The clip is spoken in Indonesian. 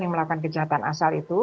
yang melakukan kejahatan asal itu